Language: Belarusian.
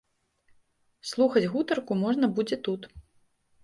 Слухаць гутарку можна будзе тут.